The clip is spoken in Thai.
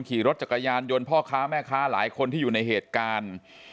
ขี่รถจักรยานยนต์พ่อค้าแม่ค้าหลายคนที่อยู่ในเหตุการณ์